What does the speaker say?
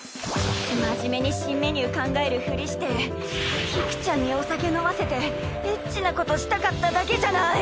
真面目に新メニュー考えるふりして菊ちゃんにお酒飲ませてエッチなことしたかっただけじゃない。